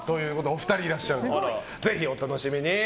お二人いらっしゃるということでぜひお楽しみに！